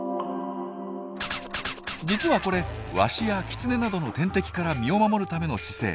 実はこれワシやキツネなどの天敵から身を守るための姿勢。